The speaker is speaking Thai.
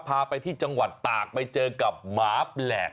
พาไปที่จังหวัดตากไปเจอกับหมาแปลก